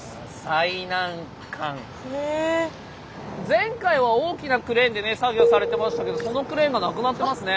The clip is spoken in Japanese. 前回は大きなクレーンでね作業されてましたけどそのクレーンがなくなってますね。